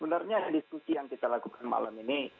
sebenarnya diskusi yang kita lakukan malam ini